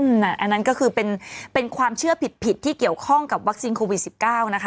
อืมน่ะอันนั้นก็คือเป็นเป็นความเชื่อผิดผิดที่เกี่ยวข้องกับวัคซีนโควิดสิบเก้านะคะ